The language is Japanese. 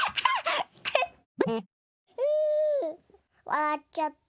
わらっちゃった。